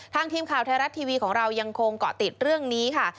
ทีมข่าวไทยรัฐทีวีของเรายังคงเกาะติดเรื่องนี้ค่ะ